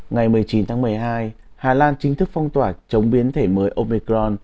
ngày một mươi chín tháng một mươi hai hà lan chính thức phong tỏa chống biến thể mới opecron